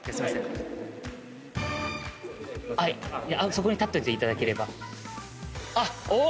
そこに立ってていただければ。